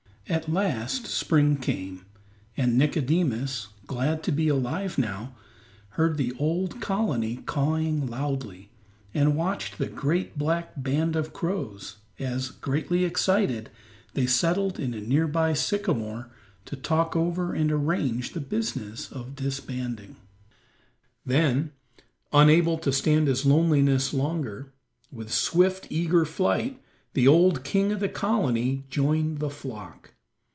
At last spring came, and Nicodemus, glad to be alive now, heard the old colony cawing loudly, and watched the great black band of crows as, greatly excited, they settled in a near by sycamore to talk over and arrange the business of disbanding. Then, unable to stand his loneliness longer, with swift, eager flight the old king of the colony joined the flock.